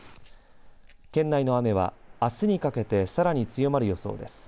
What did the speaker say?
県内の雨はあすにかけてさらに強まる予想です。